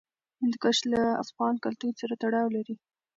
هندوکش له افغان کلتور سره تړاو لري.